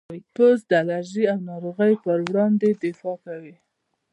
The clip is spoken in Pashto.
پوست د الرجي او ناروغیو پر وړاندې دفاع کوي.